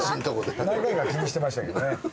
何回か気にしてましたけどね。